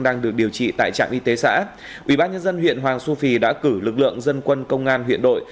đang được điều trị tại trạm y tế xã ubnd huyện hoàng su phi đã cử lực lượng dân quân công an huyện đội